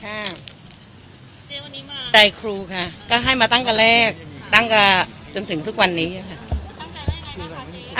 ค่ะใจครูค่ะก็ให้มาตั้งกันแรกตั้งกันจนถึงทุกวันนี้ค่ะ